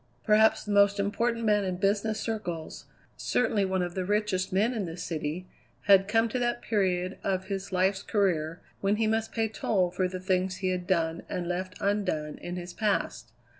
Perhaps the most important man in business circles, certainly one of the richest men in the city, had come to that period of his life's career when he must pay toll for the things he had done and left undone in his past.